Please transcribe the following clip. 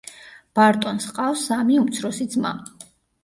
ბარტონს ჰყავს სამი უმცროსი ძმა.